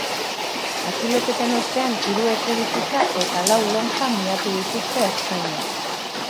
Atxiloketen ostean hiru etxebizitza eta lau lonja miatu dituzte ertzainek.